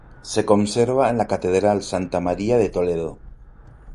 Se conserva en la Catedral de Santa María de Toledo.